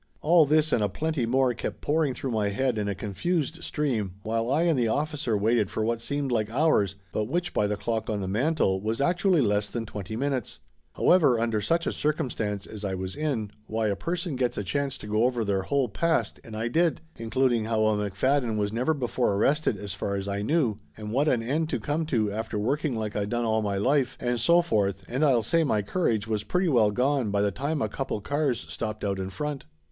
All this and a plenty more kept pouring through my head in a confused stream while I and the officer waited for what seemed like hours, but which, by the clock on the mantel, was actually less than twenty minutes. However, under such a circumstance as I was in, why a person gets a chance to go over their whole past and I did, including how a McFadden was never before arrested as far as I knew, and what an end to come to after working like I done all my life, and so forth, and I'll say my cour age was pretty well gone by the time a couple cars stopped out in front.